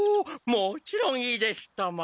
もちろんいいですとも！